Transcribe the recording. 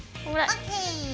ＯＫ！